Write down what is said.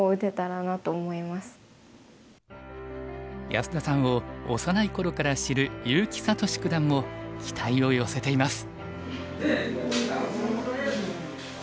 安田さんを幼い頃から知る結城聡九段も期待を寄せています。